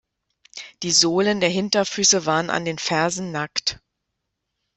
Die Sohlen der Hinterfüße waren an den Fersen nackt.